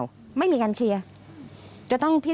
อยู่ดีมาตายแบบเปลือยคาห้องน้ำได้ยังไง